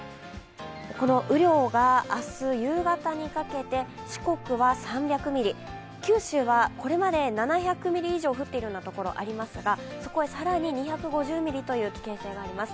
この雨量が明日、夕方にかけて四国は３００ミリ、九州はこれまで７００ミリ以上降っているようなところ、ありますがそこへ更に２５０ミリという危険性があります。